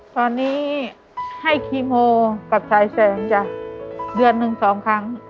ตอนนี้ให้คีโมกับสายแสงจ้ะเดือนหนึ่งสองครั้ง